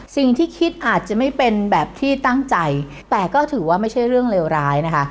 คิดอาจจะไม่เป็นแบบที่ตั้งใจแต่ก็ถือว่าไม่ใช่เรื่องเลวร้ายนะคะ